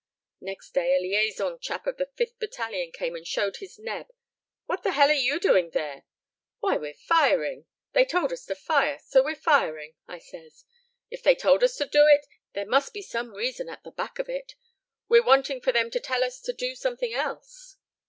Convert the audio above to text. Next day, a liaison chap of the 5th Battalion came and showed his neb: 'What the hell are you doing there?' 'Why, we're firing. They told us to fire, so we're firing,' I says. 'If they told us to do it, there must be some reason at the back of it. We're wanting for them to tell us to do something else.'